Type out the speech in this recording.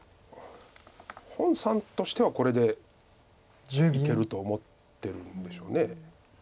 洪さんとしてはこれでいけると思ってるんでしょう。